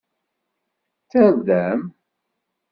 D tarda-m?